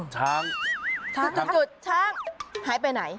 ช้างช้างไปน้อย